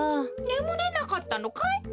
ねむれなかったのかい？